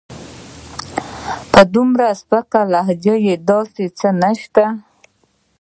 په دومره سپکه لهجه داسې څه نشته.